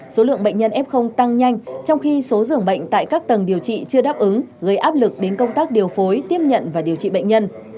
số lượng bệnh nhân f tăng nhanh trong khi số dường bệnh tại các tầng điều trị chưa đáp ứng gây áp lực đến công tác điều phối tiếp nhận và điều trị bệnh nhân